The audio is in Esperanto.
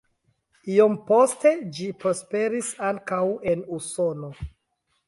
Iom poste ĝi prosperis ankaŭ en Usono.